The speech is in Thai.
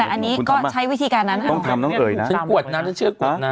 แต่อันนี้ก็ใช้วิธีการนั้นน่ะต้องตำน้องเอ๋ยนะฉันกวดน่ะฉันเชื่อกวดน่ะ